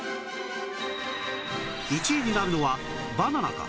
１位になるのはバナナか？